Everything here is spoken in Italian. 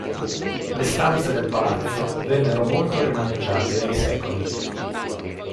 Le stanze del palazzo vennero molto rimaneggiate nei secoli.